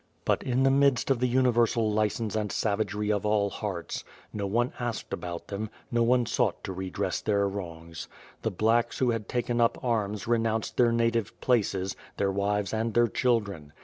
But in the midst of the universal license and savagery of all hearts, no one asked about them, no one sought to redress their wrongs. The ^'blacks'' who had taken up arms renounced their native places, their wives and their children.